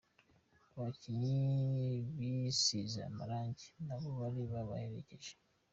Abakinnyi bisize amarangi nibo bari babaherekeje.